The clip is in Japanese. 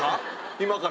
今から？